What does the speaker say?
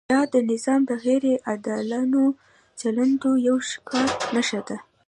دا د نظام د غیر عادلانه چلندونو یوه ښکاره نښه ده.